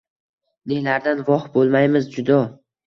Nelardan, voh, boʼlmaymiz judo.